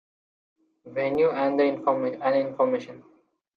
Venue and information.